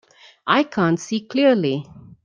I can't see clearly.